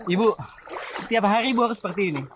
ibu setiap hari kamu harus melakukan ini